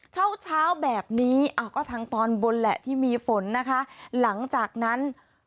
เช้าเช้าแบบนี้ก็ทางตอนบนแหละที่มีฝนนะคะหลังจากนั้น